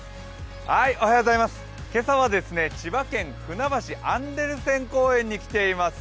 今朝は千葉県ふなばしアンデルセン公園に来ています。